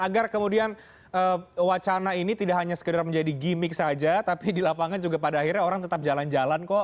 agar kemudian wacana ini tidak hanya sekedar menjadi gimmick saja tapi di lapangan juga pada akhirnya orang tetap jalan jalan kok